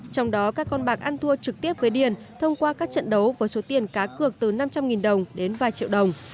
trong đó các con bạc ăn thua trực tiếp với điền thông qua các trận đấu với số tiền cá cược từ năm trăm linh đồng đến vài triệu đồng